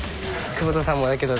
久保田さんもだけど。